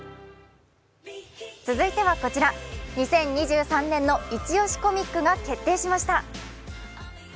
続いてはこちら、２０２３年のイチ押しコミックが決定しました。